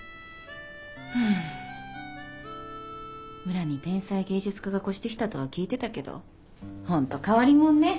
村に天才芸術家が越してきたとは聞いてたけどホント変わりもんね。